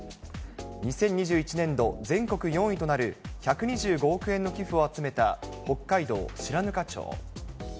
２０２１年度、全国４位となる１２５億円の寄付を集めた北海道白糠町。